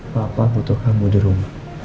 bapak butuh kamu di rumah